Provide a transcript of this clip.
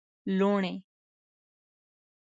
لوڼی